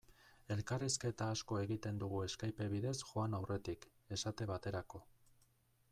Elkarrizketa asko egiten dugu Skype bidez joan aurretik, esate baterako.